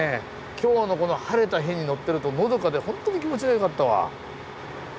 今日のこの晴れた日に乗ってるとのどかでホントに気持ちが良かったわ。